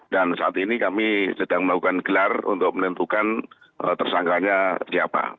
dan saat ini kami sedang melakukan gelar untuk menentukan tersangkanya siapa